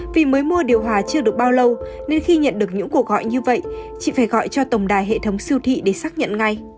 vì mới mua điều hòa chưa được bao lâu nên khi nhận được những cuộc gọi như vậy chị phải gọi cho tổng đài hệ thống siêu thị để xác nhận ngay